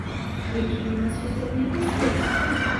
Якія ў нас ёсць адметнасці?